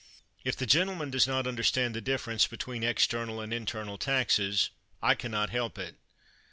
If the gentleman does not understand the difference between external and internal taxes, I can not help it.